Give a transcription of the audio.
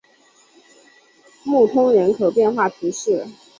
穆通人口变化图示